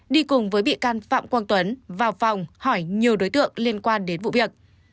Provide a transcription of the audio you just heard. đi cùng với bị can phạm quang tuấn vào phòng hỏi nhiều đối tượng liên quan đến vụ việc